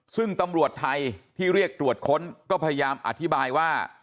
ซึ่งตำรวจไทยที่เรียกตรวจค้นก็พยายามอธิบายว่า